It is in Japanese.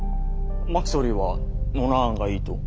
「真木総理はノナ案がいいと？」。